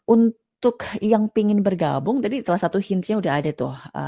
untuk yang pengen bergabung tadi salah satu hint nya udah ada tuh